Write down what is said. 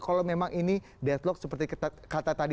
kalau memang ini deadlock seperti kata tadi